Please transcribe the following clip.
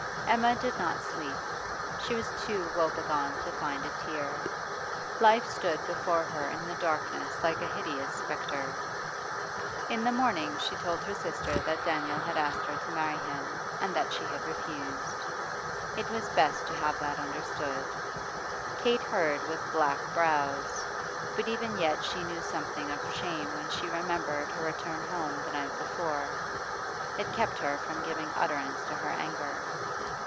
Emma did not sleep. She was too wobegone to find a tear. Life stood before her in the darkness like a hideous spectre. In the morning she told her sister that Daniel had asked her to marry him and that she had refused. It was best to have that understood. Kate heard with black brows. But even yet she knew something of shame when she remembered her return home the night before; it kept her from giving utterance to her anger.